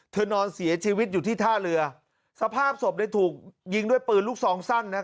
นอนเสียชีวิตอยู่ที่ท่าเรือสภาพศพเนี่ยถูกยิงด้วยปืนลูกซองสั้นนะ